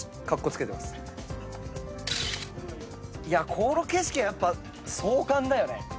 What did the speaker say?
この景色はやっぱ壮観だよね。